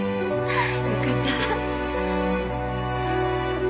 よかったわ。